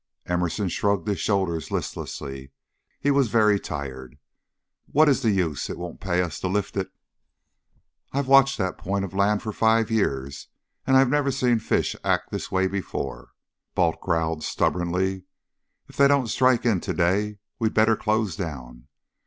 Emerson shrugged his shoulders listlessly; he was very tired. "What is the use? It won't pay us to lift it." "I've watched that point of land for five years, and I never seen fish act this way before," Balt growled, stubbornly. "If they don't strike in to day, we better close down.